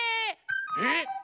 えっ⁉